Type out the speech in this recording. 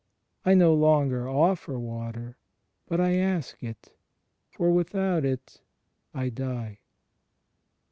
I no longer offer water; but I ask it; for without it I die."